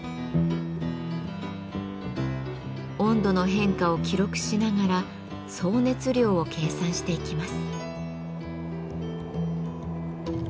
温度の変化を記録しながら総熱量を計算していきます。